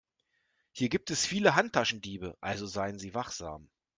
Hier gibt es viele Handtaschendiebe, also seien Sie wachsam.